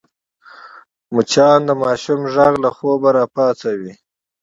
مچان د ماشوم غږ له خوبه راپاڅوي